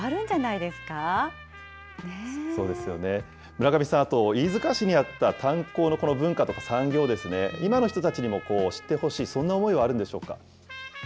村上さん、あと飯塚市にあった炭鉱の文化とか産業を今の人たちにも知ってほしい、そんな思いはあるんでしょうか。